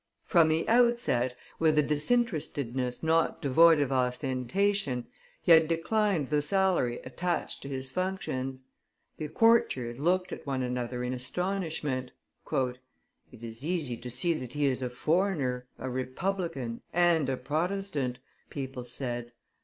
From the outset, with a disinterestedness not devoid of ostentation, he had declined the salary attached to his functions. The courtiers looked at one another in astonishment. It is easy to see that he is a foreigner, a republican, and a Protestant," people said.